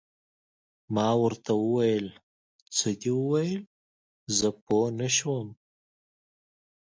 ما ورته وویل: څه دې وویل؟ زه پوه نه شوم.